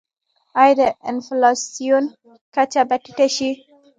آیا د انفلاسیون کچه به ټیټه شي؟